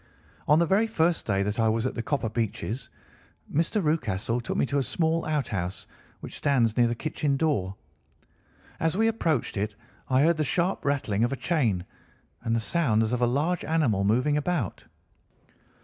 On the very first day that I was at the Copper Beeches, Mr. Rucastle took me to a small outhouse which stands near the kitchen door. As we approached it I heard the sharp rattling of a chain, and the sound as of a large animal moving about.